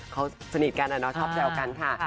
เขาสนิทกันอะเนาะชอบแซวกันค่ะ